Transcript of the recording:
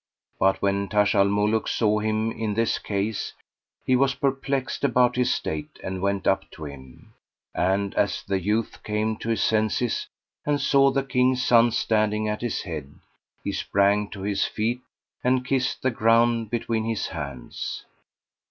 But when Taj al Muluk saw him in this case, he was perplexed about his state and went up to him; and, as the youth came to his senses and saw the King's son standing at his head, he sprang to his feet and kissed the ground between his hands.